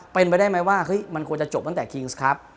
เป็นไปได้ไหมว่ามันควรจะจบตั้งแต่คิงส์ครับ